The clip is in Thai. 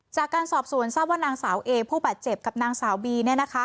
จากการสอบสวนทราบว่านางสาวเอผู้บาดเจ็บกับนางสาวบี